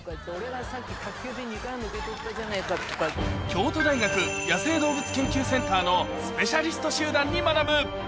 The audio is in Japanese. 京都大学野生動物研究センターのスペシャリスト集団に学ぶ。